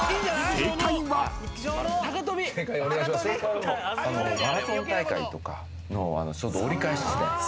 正解はマラソン大会とかの折り返し地点。